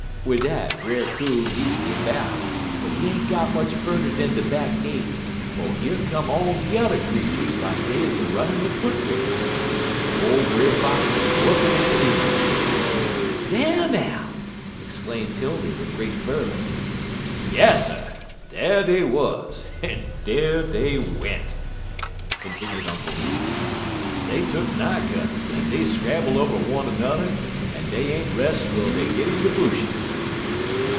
"Wid dat Brer 'Coon, he skip out, but he ain't git much furder dan de back gate, 'fo' yer come all de yuther creeturs like dey 'uz runnin' a foot race, en ole Brer Fox wuz wukkin' in de lead." "Dar, now!" exclaimed 'Tildy, with great fervor. "Yasser! dar dey wuz, en dar dey went," continued Uncle Remus. "Dey tuck nigh cuts, en dey scramble over one er 'n'er, en dey ain't res' twel dey git in de bushes.